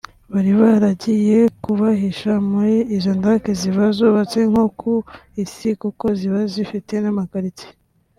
bari baragiye kubahisha muri izo ndake ziba zubatse nko ku isi kuko ziba zifite namakaritsiye